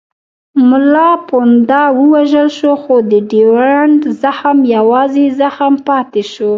ملا پونده ووژل شو خو د ډیورنډ زخم یوازې زخم پاتې شو.